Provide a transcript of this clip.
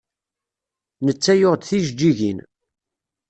Netta yuɣ-d tijeǧǧigin.